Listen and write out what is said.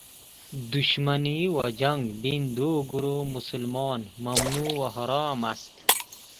دشمنی و جنگ بین دو گروه مسلمان ممنوع و حرام است.